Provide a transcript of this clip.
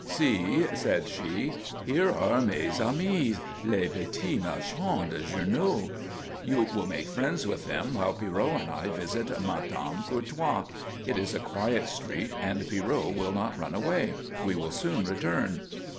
"See," said she, "here are mes amies, les petites marchandes de journaux. You will make friends with them while Pierrot and I visit Madame Courtois. It is a quiet street and Pierrot will not run away. We will soon return."